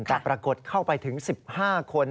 แต่ปรากฏเข้าไปถึง๑๕คน